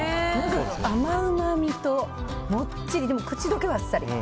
甘うまみともっちり口溶けはあっさり。